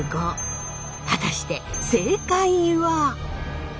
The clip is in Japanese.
果たして正解は？